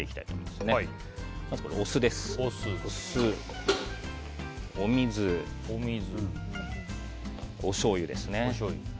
まず、お酢、お水おしょうゆですね。